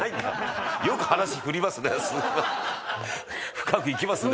深くいきますね。